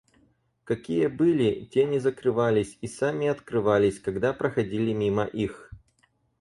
Какие были, те не закрывались и сами открывались, когда проходили мимо их.